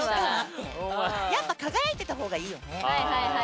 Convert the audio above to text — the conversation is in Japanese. やっぱり輝いてたほうがいいよね。